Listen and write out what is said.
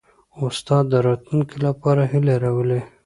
استاد د راتلونکي لپاره هیله راولي.